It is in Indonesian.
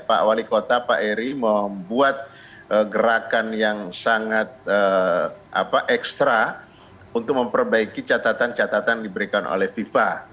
pak wali kota pak eri membuat gerakan yang sangat ekstra untuk memperbaiki catatan catatan diberikan oleh fifa